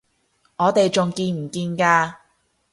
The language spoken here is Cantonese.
我哋仲見唔見㗎？